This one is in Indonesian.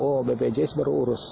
oh bpjs baru urus